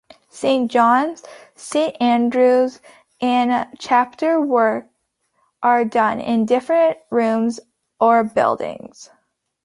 Saint John's, Saint Andrews and Chapter work are done in different rooms or buildings.